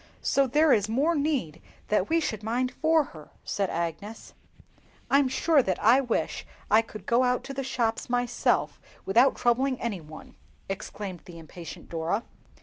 "So there is more need that we should mind for her," said Agnes. "I'm sure that I wish that I could go to the shops myself without troubling, any one!" exclaimed the impatient Dora.